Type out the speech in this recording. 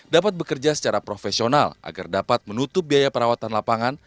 dapat bekerja secara profesional agar dapat menutup biaya perawatan lapangan